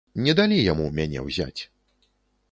Не далі яму мяне ўзяць.